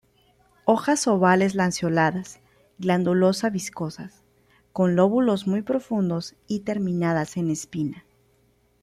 Hojas ovales lanceoladas, glandulosa-viscosas, con lóbulos muy profundos, y terminadas en espina.